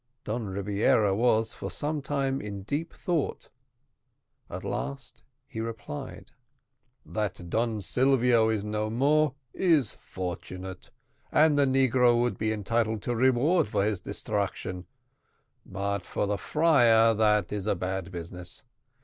Don Rebiera was for some time in deep thought; at last he replied: "That Don Silvio is no more is fortunate, and the negro would be entitled to reward for his destruction but for the friar, that is a bad business.